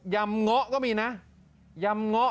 ยำงะก็มีนะยำงะ